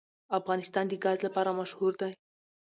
افغانستان د ګاز لپاره مشهور دی.